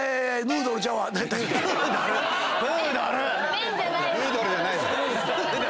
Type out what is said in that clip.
ヌードルじゃない。